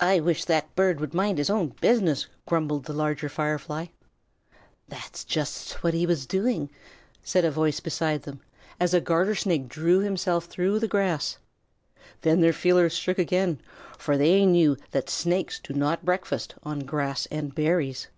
"I wish that bird would mind his own business," grumbled the Larger Firefly. "That's just what he was doing," said a voice beside them, as a Garter Snake drew himself through the grass. Then their feelers shook again, for they knew that snakes do not breakfast on grass and berries.